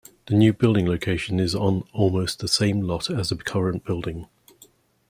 The new building location is on almost the same lot as the current building.